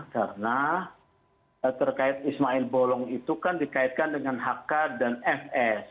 karena terkait ismail bolong itu kan dikaitkan dengan hk dan fs